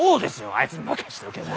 あいつに任せておけば。